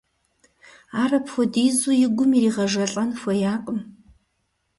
Ар апхуэдизу и гум иригъэжэлӏэн хуеякъым.